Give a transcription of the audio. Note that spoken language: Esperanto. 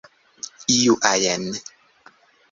iu ajn